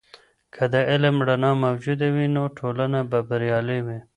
که د علم رڼا موجوده وي، نو ټولنه به بریالۍ وي.